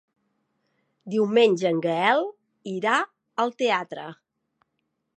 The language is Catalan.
Diumenge en Gaël irà al teatre.